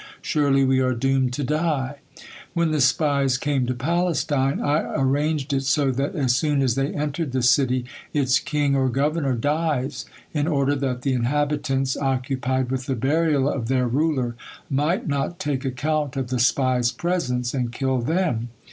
Surely we are doomed to die.' When the spies came to Palestine, I arranged it so that as soon as they entered the city its king or governor dies, in order that the inhabitants, occupied with the burial of their ruler, might not take account of the spies' presence and kill them.